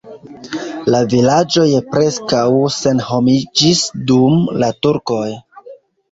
La vilaĝoj preskaŭ senhomiĝis dum la turkoj.